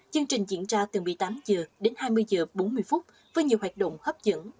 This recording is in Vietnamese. chương trình diễn ra từ một mươi tám h đến hai mươi h bốn mươi với nhiều hoạt động hấp dẫn